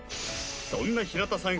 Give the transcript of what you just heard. そんな平田さん